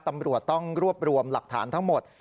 ตำรวจต้องรวบรวมหลักฐานทั้งหมด